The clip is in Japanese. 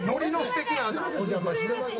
お邪魔してます。